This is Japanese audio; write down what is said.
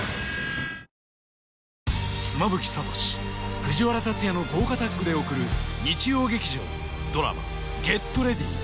藤原竜也の豪華タッグでおくる日曜劇場ドラマ「ＧｅｔＲｅａｄｙ！」